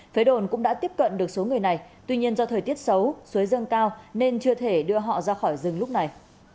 phế đồn cũng đã tiếp cận được số người này tuy nhiên do thời tiết xấu suối dâng cao nên chưa thể đưa họ ra khỏi rừng lúc này